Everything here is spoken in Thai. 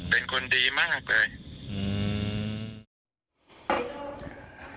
เป็นคนดีมากเลย